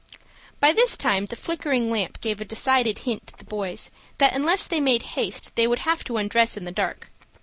By this time the flickering lamp gave a decided hint to the boys that unless they made haste they would have to undress in the dark.